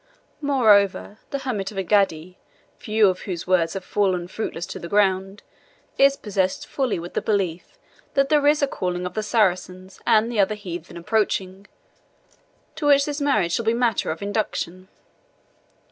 moreover, the hermit of Engaddi, few of whose words have fallen fruitless to the ground, is possessed fully with the belief that there is a calling of the Saracens and the other heathen approaching, to which this marriage shall be matter of induction.